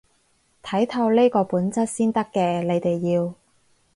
睇透呢個本質先得嘅，你哋要